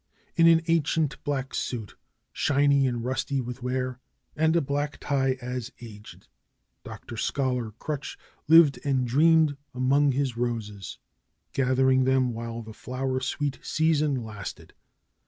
In an ancient black suit, shiny and rusty with wear, and a black tie as aged. Dr. Scholar Crutch lived and dreamed among his roses, gathering them while the flower sweet season lasted.